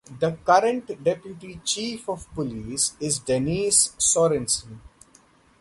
The current Deputy Chief of Police is Dennis Sorensen.